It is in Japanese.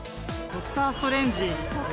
ドクター・ストレンジ。